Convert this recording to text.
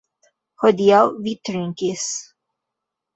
Hodiaŭ vi trinkis.